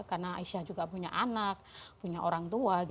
karena aisyah juga punya anak punya orang tua